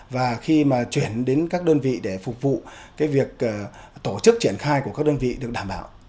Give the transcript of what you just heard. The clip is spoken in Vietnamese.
và khi mà chuyển đến các đơn vị để phục vụ việc tổ chức triển khai của các đơn vị được đảm bảo